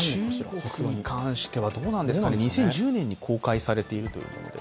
中国に関してはどうなんですかね、２０１０年に公開されているということで。